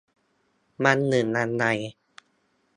วันหนึ่งวันใด